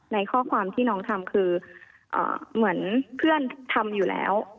ในข้อความที่น้องทำคือเหมือนเพื่อนทำอยู่แล้ว